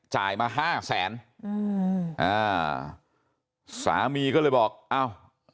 จ่ายมาห้าแสนอืมอ่าสามีก็เลยบอกอ้าว